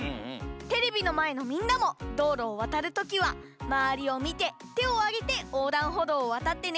テレビのまえのみんなもどうろをわたるときはまわりをみててをあげておうだんほどうをわたってね。